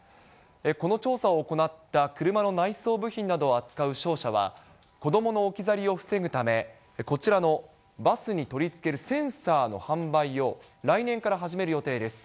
この調査を行った車の内装部品などを扱う商社は、子どもの置き去りを防ぐため、こちらのバスに取りつけるセンサーの販売を来年から始める予定です。